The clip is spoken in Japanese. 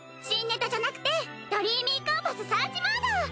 新ネタじゃなくてドリーミーコンパスサーチモード！